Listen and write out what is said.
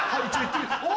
お！